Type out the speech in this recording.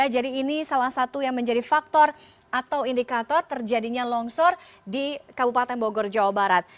jadi ini salah satu yang menjadi faktor atau indikator terjadinya longsor di kabupaten bogor jawa barat